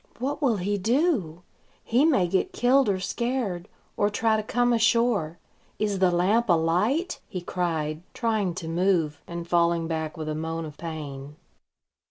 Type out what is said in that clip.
"What will he do? He may get killed or scared, or try to come ashore. Is the lamp alight?" he cried, trying to move, and falling back with a moan of pain.